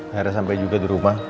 akhirnya sampai juga di rumah